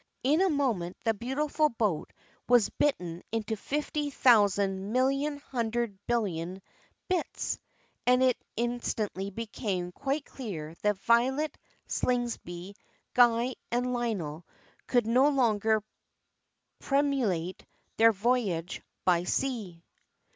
In a moment the beautiful boat was bitten into fifty five thousand million hundred billion bits; and it instantly became quite clear that Violet, Slingsby, Guy, and Lionel could no longer preliminate their voyage by sea.